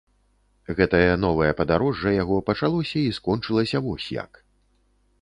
Гэтае новае падарожжа яго пачалося і скончылася вось як.